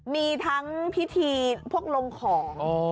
มีทั้งพิธีพวกลงของ